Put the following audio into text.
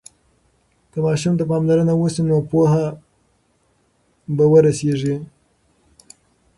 که ماشوم ته پاملرنه وسي نو پوهه به ورسيږي.